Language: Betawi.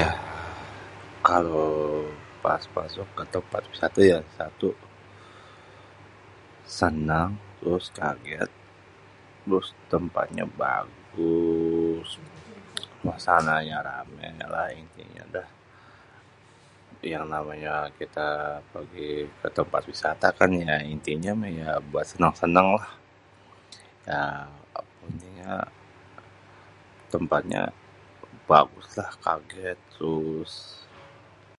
Ya, kalo pas masuk ke tempat wisata ya satu senang terus kaget, trus tempatnnya bagus, suasananya ramé dah intinya dah yang namanya kita pegi di ketempat wisata kan intinya mah ya buat seneng-seneng lah. Yaa pokoknya tempatnya bagus lah kaget terus